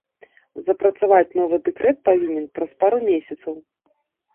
Запрацаваць новы дэкрэт павінен праз пару месяцаў.